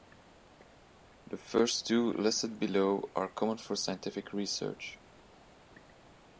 The first two listed below are common for scientific research.